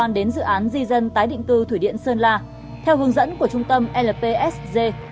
đến dự án di dân tái định cư thủy điện sơn la theo hướng dẫn của trung tâm lpsg